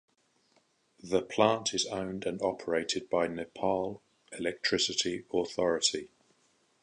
The plant is owned and operated by Nepal Electricity Authority.